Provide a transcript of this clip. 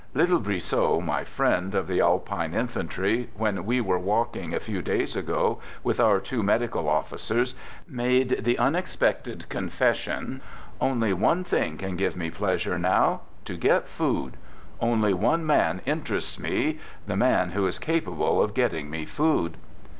Little Brissot, my friend of the Alpine infantry, when we were walking a few days ago, with our two medical officers, made the unexpected confession: Digitized by "THE GOOD SOLDIER " 19 "Only one thing can give me pleasure now — to get food. Only one man interests me — the man who is capable of getting me food."